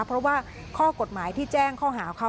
เพราะว่าข้อกฎหมายที่แจ้งข้อหาเขา